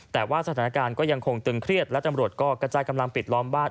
แต่ว่าสถานการณ์ก็ยังคงตึงเครียดและตำรวจก็กระจายกำลังปิดล้อมบ้าน